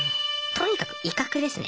とにかく威嚇ですね。